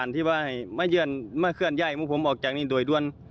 ที่ว่าให้ไม่เยื่อนไม่เคลื่อนไยมึงผมออกจากนี้โดยด้วย